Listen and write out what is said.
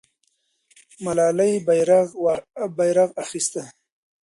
ملالۍ بیرغ اخیسته.